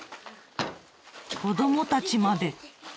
子どもたちまで。